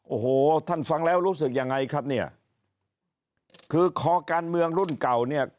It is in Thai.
โอ้โหท่านฟังแล้วรู้สึกยังไงครับเนี่ยคือคอการเมืองรุ่นเก่าเนี่ย